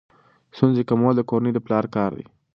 ستونزې کمول د کورنۍ د پلار کار دی.